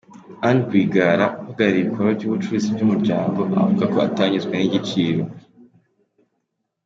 Anne Rwigara uhagarariye ibikorwa by’ubucuruzi bw’umuryango avuga ko atanyuzwe n’igiciro.